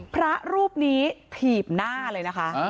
พระรูปนี้ถีบหน้าเลยนะคะ